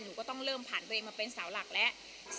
หนูก็ต้องเริ่มผ่านตัวเองมาเป็นสาวหลักแล้ว